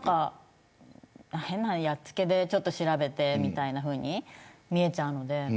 変なやっつけで、ちょっと調べてみたいに見えちゃうので。